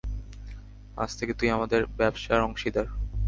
আজ থেকে তুই আমাদের ব্যবসার অংশীদার।